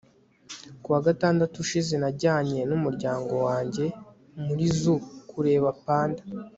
ku wa gatandatu ushize, najyanye n'umuryango wanjye muri zoo kureba panda